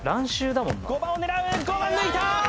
５番を狙う５番抜いた！